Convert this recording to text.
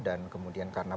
dan kemudian karena